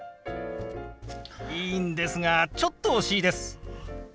いいんですがちょっと惜しいです。